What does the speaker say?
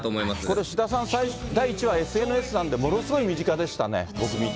これ志田さん、第１話、ＳＮＳなんでものすごい身近でしたね、僕見て。